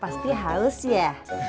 pasti harus ya